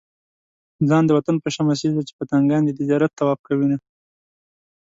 ځان د وطن په شمع سيزه چې پتنګان دې د زيارت طواف کوينه